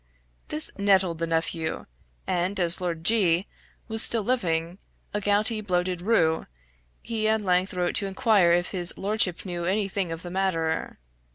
This nettled the nephew; and as Lord G , was still living, a gouty bloated roue, he at length wrote to inquire if his lordship knew any thing of the matter.